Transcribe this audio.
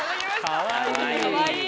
かわいい。